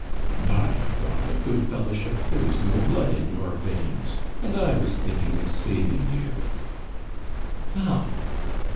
"By the God of good fellowship, there is no blood in your veins! And I was thinking of saving you!" "How?"